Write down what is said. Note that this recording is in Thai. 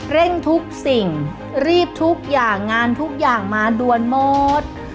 เร่งทุกสิ่งรีบทุกอย่างงานทุกอย่างมาด่วนหมด